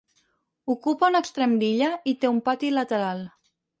Ocupa un extrem d'illa i té un pati lateral.